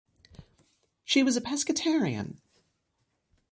She was a pescetarian.